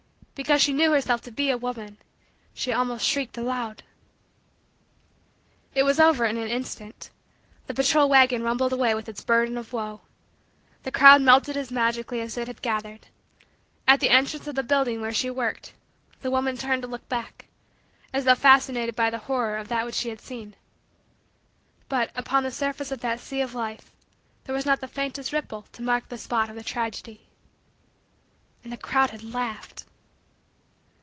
Because she knew herself to be a woman, she almost shrieked aloud. It was over in an instant. The patrol wagon rumbled away with its burden of woe. The crowd melted as magically as it had gathered. At the entrance of the building where she worked, the woman turned to look back, as though fascinated by the horror of that which she had seen. But, upon the surface of that sea of life, there was not the faintest ripple to mark the spot of the tragedy. And the crowd had laughed.